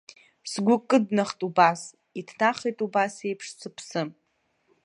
Сгәы кыднахт убас, иҭнахит убас еиԥш сыԥсы.